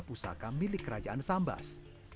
pusaka milik kerajaan sambas